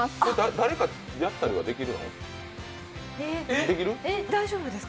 誰かやったりはできるんですか？